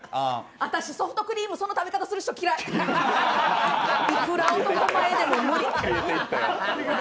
私、ソフトクリームその食べ方する人嫌い、いくら男前でも無理。